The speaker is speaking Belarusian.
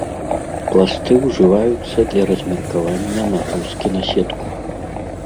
Пласты ўжываюцца для размеркавання нагрузкі на сетку.